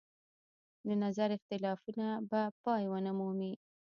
د نظر اختلافونه به پای ونه مومي.